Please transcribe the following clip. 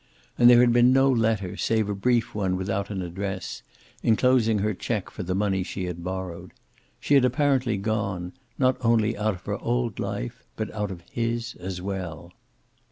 And there had been no letter save a brief one without an address, enclosing her check for the money she had borrowed. She had apparently gone, not only out of her old life, but out of his as well.